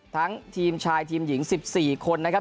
ทั้งทีมชายทีมหญิง๑๔คนนะครับ